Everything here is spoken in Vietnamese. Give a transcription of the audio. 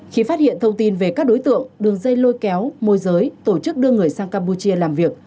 khi phát hiện thông tin về các đối tượng đường dây lôi kéo môi giới tổ chức đưa người sang campuchia làm việc